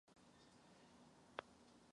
Většinu písní si píše sama.